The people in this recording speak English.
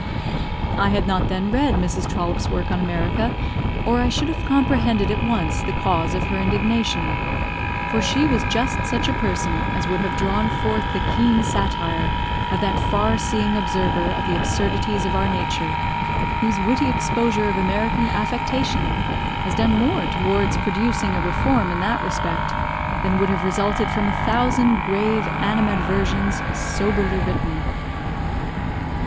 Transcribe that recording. I had not then read Mrs. Trollope's work on America, or I should have comprehended at once the cause of her indignation; for she was just such a person as would have drawn forth the keen satire of that far seeing observer of the absurdities of our nature, whose witty exposure of American affectation has done more towards producing a reform in that respect, than would have resulted from a thousand grave animadversions soberly written.